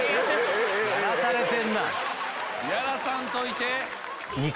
やらさんといて。